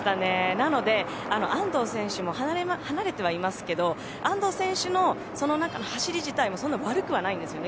なので安藤選手も離れてはいますけど安藤選手のその中の走り自体もそんなに悪くはないんですよね